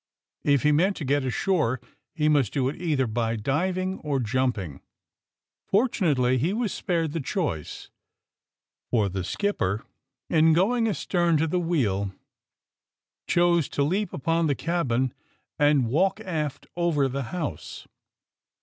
If he meant to get ashore lie must do it either by diving or jumping. Fortunately, he was spared the choice, for the skipper, in going astern to the wheel, chose to leap upon the cabin and walk aft over the house.